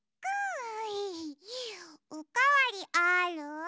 おかわりある？